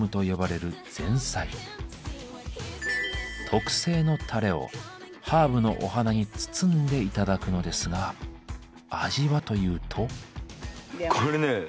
特製のタレをハーブのお花に包んで頂くのですが味はというと。